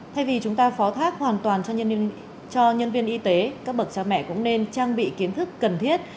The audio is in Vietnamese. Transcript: thay vì chúng ta phó thác hoàn toàn cho nhân viên y tế các bậc cha mẹ cũng nên trang bị kiến thức cần thiết